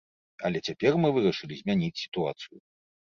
Але цяпер мы вырашылі змяніць сітуацыю.